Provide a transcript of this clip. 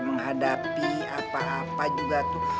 menghadapi apa apa juga tuh